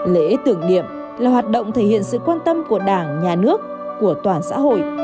lễ tưởng niệm là hoạt động thể hiện sự quan tâm của đảng nhà nước của toàn xã hội